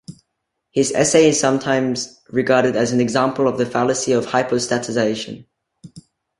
His essay is sometimes regarded as an example of the fallacy of hypostatization.